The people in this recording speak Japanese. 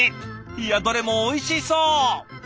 いやどれもおいしそう！